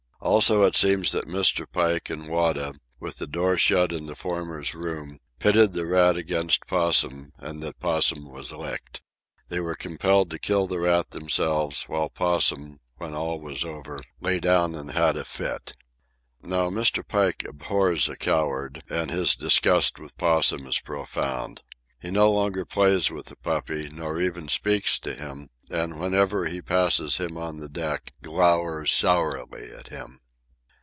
Also, it seems that Mr. Pike and Wada, with the door shut in the former's room, pitted the rat against Possum, and that Possum was licked. They were compelled to kill the rat themselves, while Possum, when all was over, lay down and had a fit. Now Mr. Pike abhors a coward, and his disgust with Possum is profound. He no longer plays with the puppy, nor even speaks to him, and, whenever he passes him on the deck, glowers sourly at him.